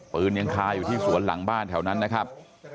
ปืนยังคาอยู่ที่สวนหลังบ้านแถวนั้นนะครับ